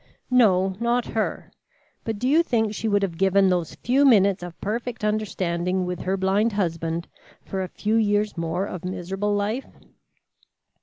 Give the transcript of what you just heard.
"No, not her. But do you think she would have given those few minutes of perfect understanding with her blind husband for a few years more of miserable life?"